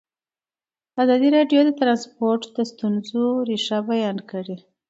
ازادي راډیو د ترانسپورټ د ستونزو رېښه بیان کړې.